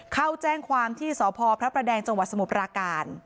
เข้าแจ้งความที่สพพระประแดงจสมปราการ